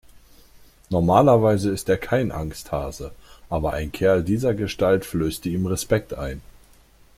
Normalerweise ist er kein Angsthase, aber ein Kerl dieser Gestalt flößte ihm Respekt ein.